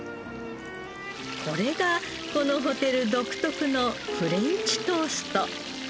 これがこのホテル独特のフレンチトースト。